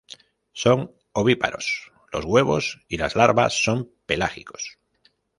Son ovíparos, los huevos y las larvas son pelágicos.